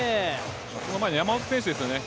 その前の山本選手ですよね。